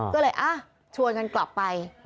ก็เลยชวนกันกลับไป